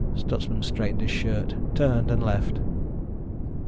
Stutsman straightened his shirt, turned and left.